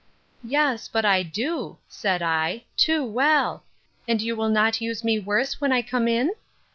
—Yes, but I do, said I, too well; and will you not use me worse when I come in?